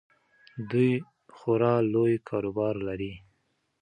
دوی خورا لوی کاروبار لري.